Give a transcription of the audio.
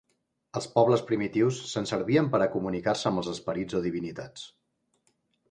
Els pobles primitius se'n servien per a comunicar-se amb els esperits o divinitats.